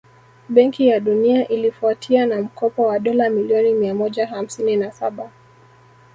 Benki ya Dunia ilifuatia na mkopo wa dola milioni miamoja hamsini na Saba